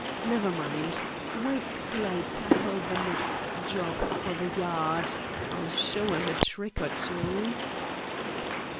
Never mind. Wait till I tackle the next job for the Yard. I'll show 'em a trick or two."